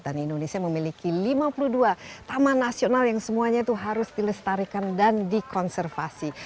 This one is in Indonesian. dan indonesia memiliki lima puluh dua taman nasional yang semuanya itu harus dilestarikan dan dikonservasi